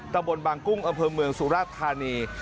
ตำบลบางกุ้งอเภอเมืองสุรธานี